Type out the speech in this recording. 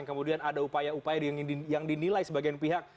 kemudian ada upaya upaya yang dinilai sebagian pihak